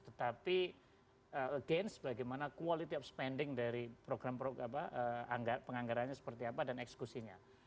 tetapi against bagaimana quality of spending dari program program penganggarannya seperti apa dan eksekusinya